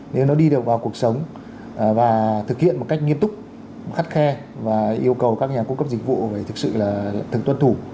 nếu nó đi được vào cuộc sống và thực hiện một cách nghiêm túc khắt khe và yêu cầu các nhà cung cấp dịch vụ phải thực sự là thường tuân thủ